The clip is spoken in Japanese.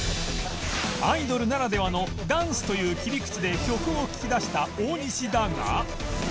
アイドルならではのダンスという切り口で曲を聞き出した大西だが